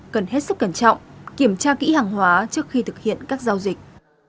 cần hết sức cẩn trọng kiểm tra kỹ hàng hóa trước khi thực hiện các giao dịch